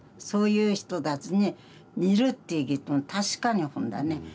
そういう人たちに似るっていうけど確かにほんだね。